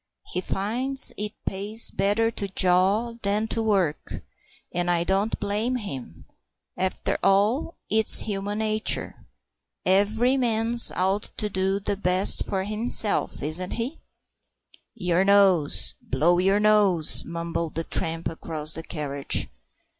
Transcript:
He finds it pays better to jaw than to work, and I don't blame him. After all, it's human nature. Every man's out to do the best for himself, isn't he?" "Your nose blow your nose," mumbled the tramp across the carriage.